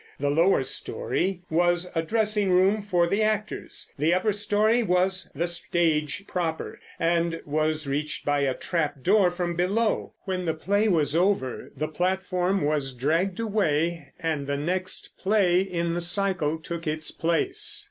The lower story was a dressing room for the actors; the upper story was the stage proper, and was reached by a trapdoor from below. When the play was over the platform was dragged away, and the next play in the cycle took its place.